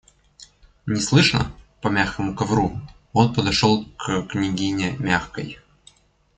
Неслышно, по мягкому ковру, он подошел к княгине Мягкой.